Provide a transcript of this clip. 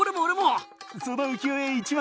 その浮世絵１枚下さい。